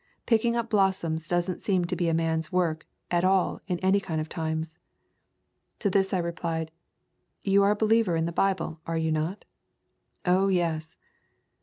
Picking up blossoms does n't seem to be a man's work at all in any kind of times." To this I replied, "You are a believer in the Bible, are you not?" "Oh, yes."